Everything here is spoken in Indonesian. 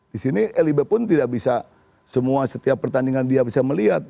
di sini lib pun tidak bisa semua setiap pertandingan dia bisa melihat